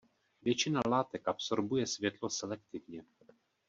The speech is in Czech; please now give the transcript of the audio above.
Většina látek absorbuje světlo selektivně.